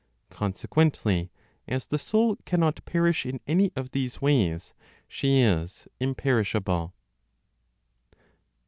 Consequently as the soul cannot perish in any of these ways, she is imperishable.